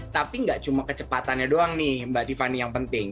tapi nggak cuma kecepatannya doang nih mbak tiffany yang penting